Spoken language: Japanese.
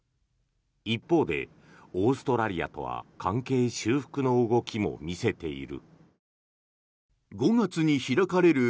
一方でオーストラリアとは関係修復の動きも見せている。